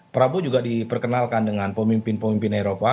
prabowo juga diperkenalkan dengan pemimpin pemimpin eropa